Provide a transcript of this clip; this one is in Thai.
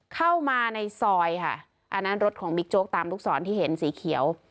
เข้ามาในซอยค่ะอันนั้นรถของบิ๊กโจ๊กตามลูกศรที่เห็นสีเขียว